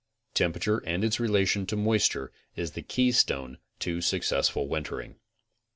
Temperature and its relation to moisture is the keystone to successful wintering.